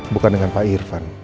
bukan dengan pak irvan